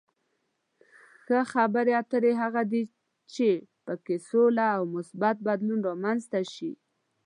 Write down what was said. ښه خبرې اترې هغه دي چې په کې سوله او مثبت بدلون رامنځته شي.